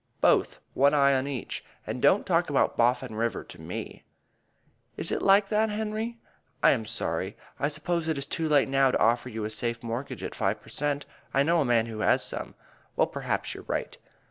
"Both. One eye on each. And don't talk about Boffin River to me." "Is it like that, Henry? I am sorry. I suppose it's too late now to offer you a safe mortgage at five per cent.? I know a man who has some. Well, perhaps you're right."